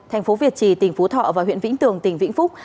thành phố việt trì tỉnh phú thọ và huyện vĩnh tường tỉnh vĩnh phúc